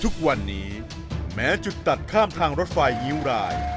ทุกวันนี้แม้จุดตัดข้ามทางรถไฟงิ้วราย